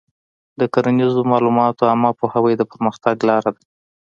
د کرنیزو معلوماتو عامه پوهاوی د پرمختګ لاره ده.